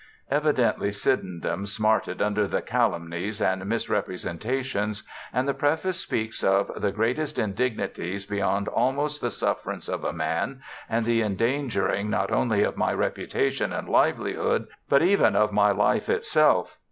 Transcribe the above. Evidently Sydenham smarted under the calumnies and misrepresentations, and the preface speaks of ' the greatest indignities beyond almost the sufferance of a man, and the endangering not only of my reputation and livelihood, but even my life itself.